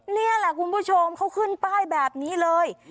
นี่แหละคุณผู้ชมเขาขึ้นป้ายแบบนี้เลย